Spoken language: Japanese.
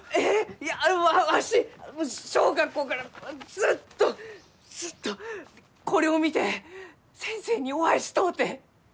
いやわし小学校からずっとずっとこれを見て先生にお会いしとうて！